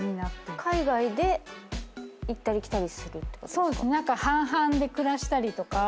海外で行ったり来たりするってことですか？